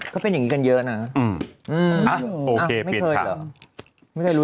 ก็เป็นอย่างงี้เยอะล่ะ